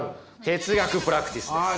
哲学プラクティスです。